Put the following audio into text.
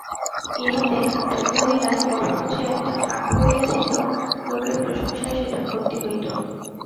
ইহাতে বাল্যলীলায় মস্ত যে একটা ফাঁক পড়িয়াছিল লোকের প্রশংসায় সেটা ভর্তি হইত।